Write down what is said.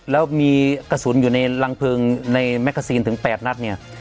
แล้วมีกระสุนอยู่ในรังเพลิงในแมกกาซีนถึง๘นัดเนี่ย